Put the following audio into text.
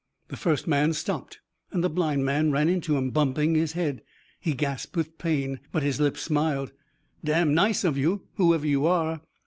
The first man stopped and the blind man ran into him, bumping his head. He gasped with pain, but his lips smiled. "Damn nice of you, whoever you are."